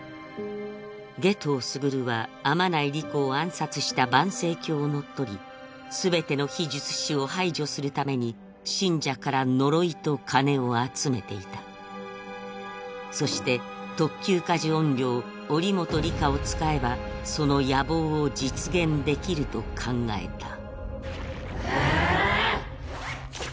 夏油傑は天内理子を暗殺した盤星教を乗っ取り全ての非術師を排除するために信者から呪いと金を集めていたそして特級過呪怨霊祈本里香を使えばその野望を実現できると考えたああっ？